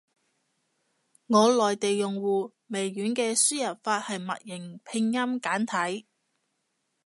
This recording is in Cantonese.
我內地用戶，微軟嘅輸入法係默認拼音簡體。